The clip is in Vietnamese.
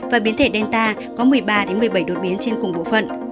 và biến thể delta có một mươi ba một mươi bảy đột biến trên cùng bộ phận